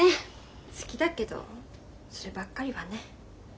好きだけどそればっかりはね。